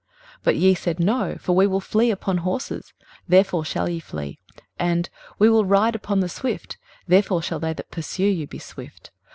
23:030:016 But ye said, No; for we will flee upon horses; therefore shall ye flee: and, We will ride upon the swift; therefore shall they that pursue you be swift.